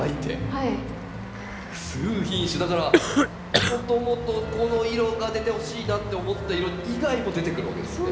だからもともとこの色が出てほしいなって思った色以外も出てくるわけですね。